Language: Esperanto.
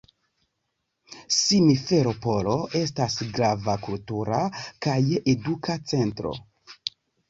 Simferopolo estas grava kultura kaj eduka centro.